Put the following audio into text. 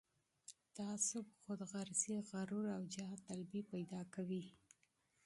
تعصب، خودغرضي، غرور او جاه طلبي پيدا کوي.